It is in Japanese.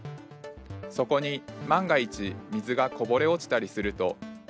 そこに万が一水がこぼれ落ちたりすると。